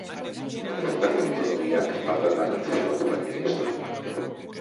Bertako mitologiak paper garrantzitsua du gainera istorioan.